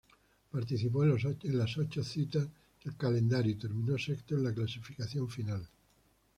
Participó en las ocho citas del calendario y terminó sexto en la clasificación final.